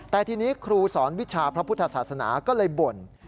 แต่ทีนี้ครูสอนวิชาพระพุทธศาสนาก็เลยบ่น